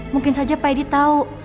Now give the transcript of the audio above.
mungkin saja pak edi tahu